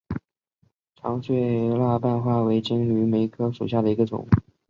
长穗蜡瓣花为金缕梅科蜡瓣花属下的一个种。